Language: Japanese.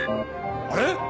あれ？